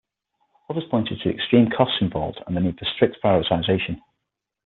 Others pointed to the extreme costs involved and the need for strict prioritisation.